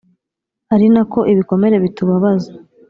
ari na ko ibikomere bitubabaza